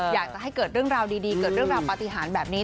อยากจะให้เกิดเรื่องราวดีเกิดเรื่องราวปฏิหารแบบนี้